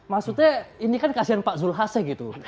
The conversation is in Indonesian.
maksudnya ini kan kasihan pak zulhasnya gitu